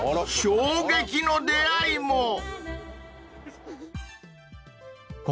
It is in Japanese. ［衝撃の出会いも！］